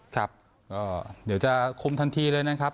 ครับก็เดี๋ยวจะคุมทันทีเลยนะครับ